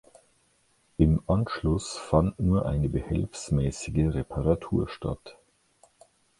Im Anschluss fand nur eine behelfsmäßige Reparatur statt.